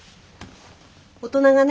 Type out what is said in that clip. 大人がね